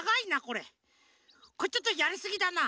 これちょっとやりすぎだな。